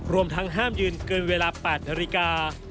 รวมทั้งห้ามยืนเกินเวลา๘นาฬิกา